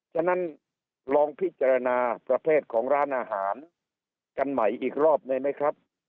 ฉะนั้นลองพิจารณาประเภทของร้านอาหารกันใหม่อีกรอบได้ไหมครับ